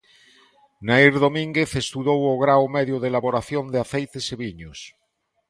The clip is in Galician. Nair Domínguez estudou o Grao Medio de Elaboración de aceites e viños.